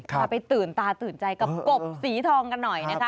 พาไปตื่นตาตื่นใจกับกบสีทองกันหน่อยนะคะ